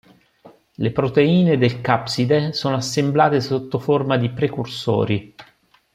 Le proteine del capside sono assemblate sotto forma di precursori.